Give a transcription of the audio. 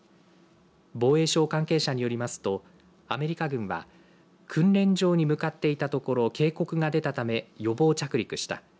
防衛省関係者によりますとアメリカ軍は訓練場に向かっていたところ警告が出たため予防着陸した。